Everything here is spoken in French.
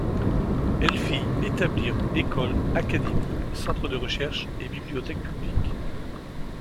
Elle fit établir écoles, académies, centres de recherches et bibliothèques publiques.